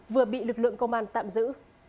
vừa bị lực lượng công an tạm giữ